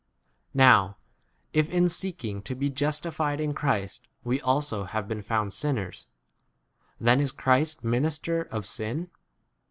Now if in seek ing to be justified in Christ we also have been found sinners, then [is] Christ minister of sin